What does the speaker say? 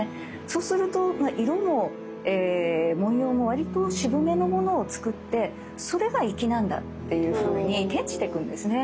そうすると色も文様もわりと渋めのものを作ってそれが粋なんだっていうふうに転じていくんですね。